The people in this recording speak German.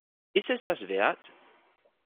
Ist es das wert?